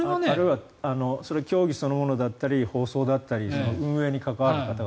それは競技そのものだったり放送だったり運営に関わる方々。